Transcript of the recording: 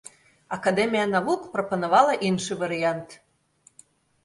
Акадэмія навук прапанавала іншы варыянт.